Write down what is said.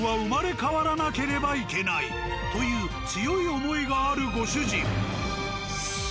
という強い思いがあるご主人。